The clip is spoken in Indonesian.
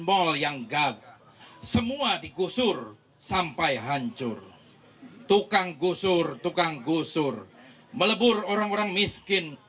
mal yang gagal semua digusur sampai hancur tukang gusur tukang gusur melebur orang orang miskin